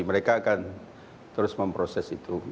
mereka akan terus memproses itu